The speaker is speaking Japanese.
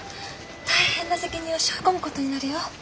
大変な責任をしょい込む事になるよ。